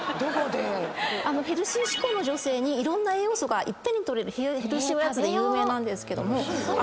ヘルシー志向の女性にいろんな栄養素がいっぺんに取れるヘルシーおやつで有名なんですけど。